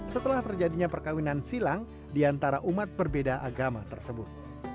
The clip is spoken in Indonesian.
setelah terjadinya perkawinan silang diantara umat berbeda agama tersebut